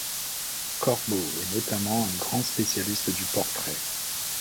Corbeau est notamment un grand spécialiste du portrait.